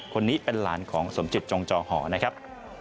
คนนี้เป็นหลานของสมจิตจงจอหอนะครับ